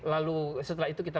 lalu setelah itu kita